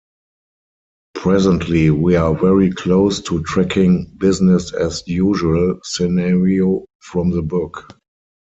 Presently we are very close to tracking "business-as-usual" scenario from the book.